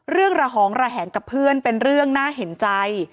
ระหองระแหงกับเพื่อนเป็นเรื่องน่าเห็นใจ